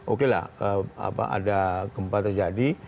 oke lah ada gempa terjadi